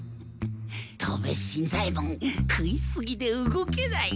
戸部新左ヱ門食いすぎで動けない。